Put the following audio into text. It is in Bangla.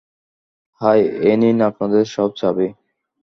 হাই, এই নিন আপনাদের সব চাবি।